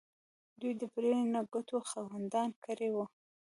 دوی د پرې نه ګټو خاوندان کړي وو.